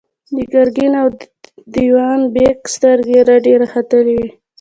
د ګرګين او دېوان بېګ سترګې رډې راختلې وې.